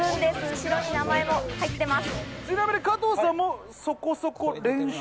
後ろに名前も入ってます。